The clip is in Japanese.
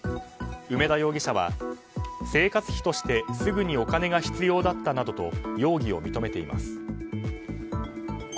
梅田容疑者は、生活費としてすぐにお金が必要だったなどと容疑を認めています。